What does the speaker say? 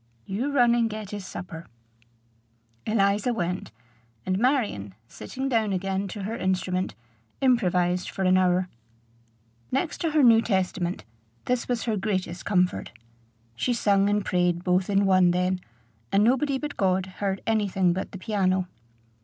"You run and get his supper." Eliza went; and Marion, sitting down again to her instrument, improvised for an hour. Next to her New Testament, this was her greatest comfort. She sung and prayed both in one then, and nobody but God heard any thing but the piano.